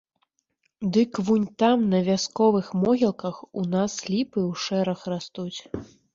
Дык вунь там на вясковых могілках у нас ліпы ў шэраг растуць.